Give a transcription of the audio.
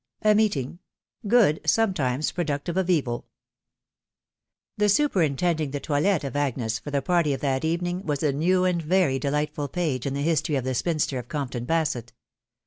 *— A. 'MJJLT1MG. "^ GOOD 'flOfULTlBLlfS FKUDULTIVIC tJP TVTJL Thb superintending the toilet of Agnes fee the party of that evening was a new and very delightful page m the history of the spinster of Compton Basett.